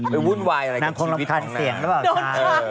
ไปวุ่นวายอะไรกับชีวิตของน่ะ